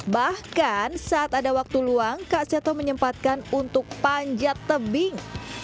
bahkan saat ada waktu luang kak seto menyempatkan untuk panjat tebing